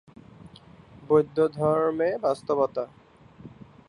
বৌদ্ধধর্মে বাস্তবতা